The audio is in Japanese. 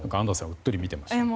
うっとり見ていましたね。